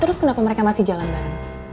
terus kenapa mereka masih jalan bareng